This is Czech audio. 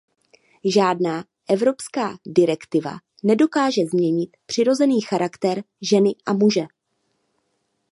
Žádná evropská direktiva nedokáže změnit přirozený charakter ženy a muže.